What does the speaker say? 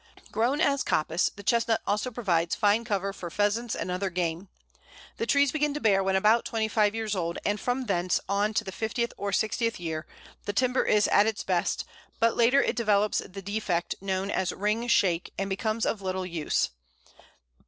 Grown as coppice, the Chestnut also provides fine cover for pheasants and other game. The trees begin to bear when about twenty five years old, and from thence on to the fiftieth or sixtieth year the timber is at its best, but later it develops the defect known as "ring shake," and becomes of little use.